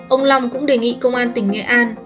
ông long cũng đề nghị công an tỉnh nghệ an